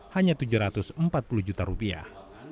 hanya tujuh ratus empat puluh juta rupiah